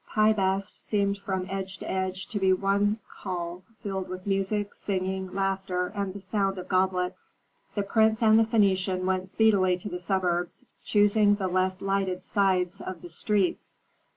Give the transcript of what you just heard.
Pi Bast seemed from edge to edge to be one hall filled with music, singing, laughter, and the sound of goblets. The prince and the Phœnician went speedily to the suburbs, choosing the less lighted sides of the streets.